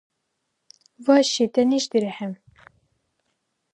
Ваши тянишдирехӀе